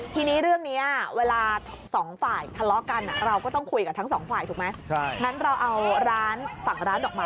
ทีนี้เรื่องนี้เวลาสองฝ่ายทะเลาะกันเราก็ต้องคุยกับทั้งสองฝ่ายถูกไหม